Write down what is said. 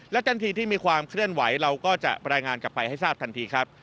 ทันทีที่มีความเคลื่อนไหวเราก็จะรายงานกลับไปให้ทราบทันทีครับ